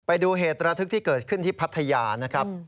ไปดูเหตุระทึกที่เกิดขึ้นที่พัทยานะครับ